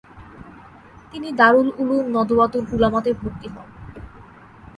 তিনি দারুল উলূম নদওয়াতুল উলামাতে ভর্তি হন।